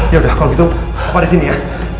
ya udah kalau gitu apa di sini ya